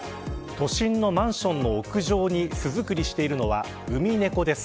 都心のマンションの屋上に巣作りしているのはウミネコです。